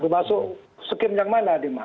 masuk skem yang mana dia